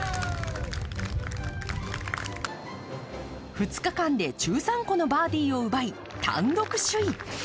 ２日間で１３個のバーディーを奪い単独首位。